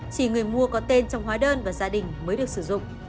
chỉ người mua có tên trong hóa đơn và gia đình mới được sử dụng